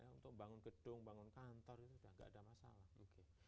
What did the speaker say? untuk bangun gedung bangun kantor ini sudah tidak ada masalah